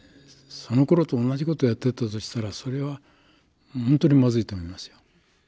そのころとおんなじことをやっているとしたらそれは本当にまずいと思いますよ。